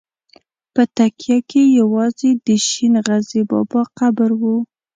په تکیه کې یوازې د شین غزي بابا قبر و.